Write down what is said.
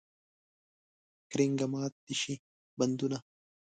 کرنګه مات دې شي بندونه.